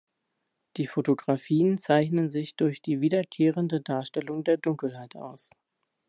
Die Fotografien zeichnen sich durch die wiederkehrende Darstellung der Dunkelheit aus.